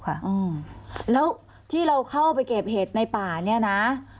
อืมแล้วที่เราเข้าไปเก็บเห็ดในป่าเนี่ยนะ